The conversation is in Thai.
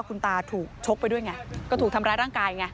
คุณตาถูกชกไปด้วยไงก็ถูกทำร้ายร่างกายไง